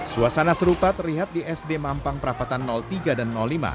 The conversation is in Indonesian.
suasana serupa terlihat di sd mampang perapatan tiga dan lima